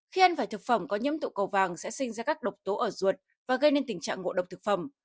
khi ăn vài thực phẩm có nhẫm tụ cầu vàng sẽ sinh ra các độc tố ở ruột và gây nên tình trạng ngộ độc thực phẩm